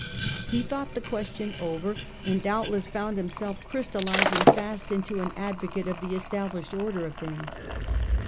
He thought the question over, and doubtless found himself crystallising fast into an advocate of. the established order of things.